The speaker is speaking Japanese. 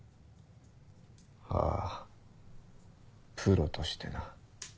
ああプロとしてな。